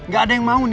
gak ada yang mau din